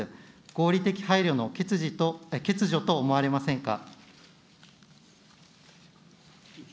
合理的配慮の欠如と思われませんか。